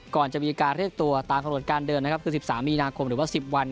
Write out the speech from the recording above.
ก่อนจะมีการเรียกตัวตามข้อมูลการเดินคือ๑๓มีนาคมหรือว่า๑๐วัน